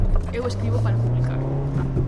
Eu escribo para publicar.